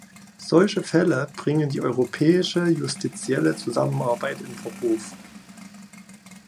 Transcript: Solche Fälle bringen die europäische justizielle Zusammenarbeit in Verruf.